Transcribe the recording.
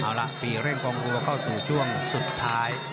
เอาล่ะปีเร่งกองรัวเข้าสู่ช่วงสุดท้าย